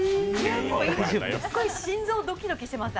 心臓がドキドキしてます。